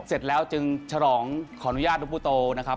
เสร็จแล้วจึงฉลองขออนุญาตลูกผู้โตนะครับ